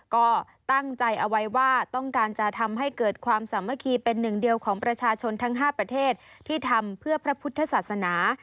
ก็ตั้งใจเอาไว้ว่าต้องการจะทำให้เกิดความสามัคคีเป็นหนึ่งเดียวของประชาชนทั้ง๕ประเทศที่ทำเพื่อพระพุทธศาสนา